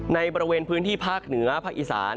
ในประเมืองพวกพวกปากเหนือการปยี่สารฐาน